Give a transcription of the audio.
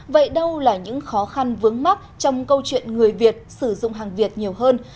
vậy đâu là những khó khăn vướng mắt trong câu chuyện người việt sử dụng hàng việt nhiều hơn